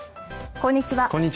こんにちは。